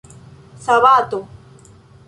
sabato